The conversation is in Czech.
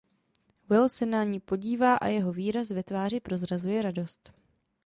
Will se na ni podívá a jeho výraz ve tváři prozrazuje radost.